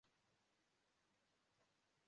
Hamwe nabagenzi cumi numwe igikomangoma